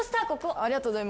ありがとうございます。